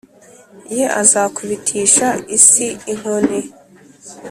Ye Azakubitisha isi inkoni